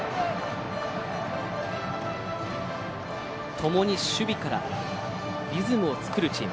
ともに守備からリズムを作るチーム。